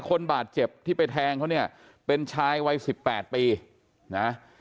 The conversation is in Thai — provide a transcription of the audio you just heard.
คนบาดเจ็บที่ไปแทงเขาเนี่ยเป็นชายวัยสิบแปดปีนะ